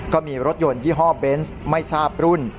ก็มีรถยนต์ยี่ห้อเบนส์ไม่ทราบรุ่น